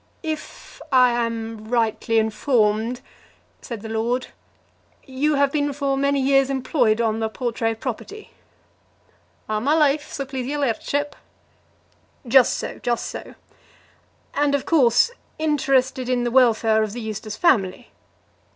"If I am rightly informed," said the lord, "you have been for many years employed on the Portray property?" "A' my life, so please your lairdship." "Just so; just so. And, of course, interested in the welfare of the Eustace family?"